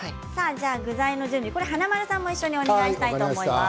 具材の準備を華丸さんも一緒にお願いします。